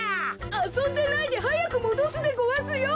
あそんでないではやくもどすでごわすよ。